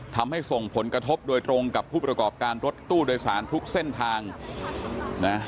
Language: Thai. ทำให้ส่งผลกระทบโดยตรงกับผู้ประกอบการรถตู้โดยสารทุกเส้นทางนะ